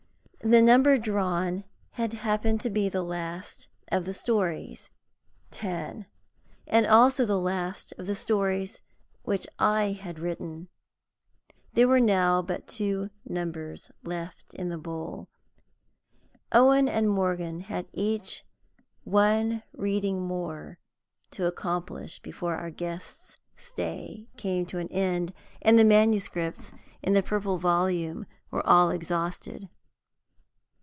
The number drawn happened to be the last of the series Ten and the last also of the stories which I had written. There were now but two numbers left in the bowl. Owen and Morgan had each one reading more to accomplish before our guest's stay came to an end, and the manuscripts in the Purple Volume were all exhausted.